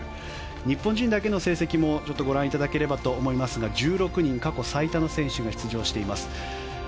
日本人だけの成績もご覧いただければと思いますが１６人、過去最多の選手が出場しています。